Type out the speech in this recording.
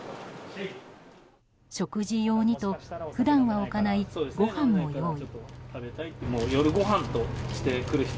食事用にと普段は置かないご飯も用意。